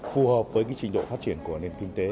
phù hợp với trình độ phát triển của nền kinh tế